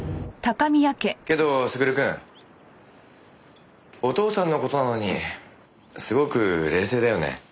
けど優くん。お父さんの事なのにすごく冷静だよね。